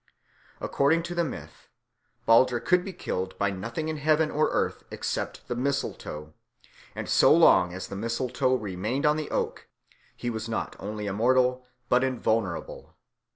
According to the myth, Balder could be killed by nothing in heaven or earth except the mistletoe; and so long as the mistletoe remained on the oak, he was not only immortal but invulnerable.